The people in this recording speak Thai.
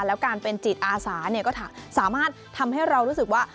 แล้วการเป็นจิตอาสาก็สามารถทำให้เรารู้สึกว่า